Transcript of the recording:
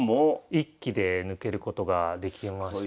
１期で抜けることができまして。